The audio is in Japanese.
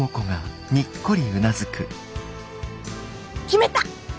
決めた！